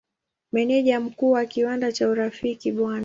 Meneja Mkuu wa kiwanda cha Urafiki Bw.